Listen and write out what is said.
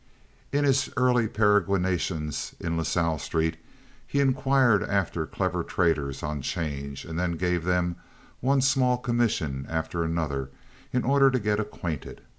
In his early peregrinations in La Salle Street he inquired after clever traders on 'change, and then gave them one small commission after another in order to get acquainted.